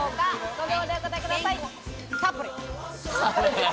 ５秒でお答えください。